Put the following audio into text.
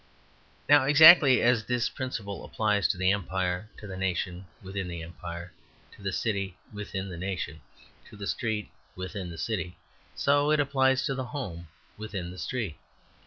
Now, exactly as this principle applies to the empire, to the nation within the empire, to the city within the nation, to the street within the city, so it applies to the home within the street.